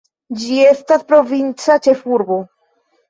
Ĝi estas provinca ĉefurbo.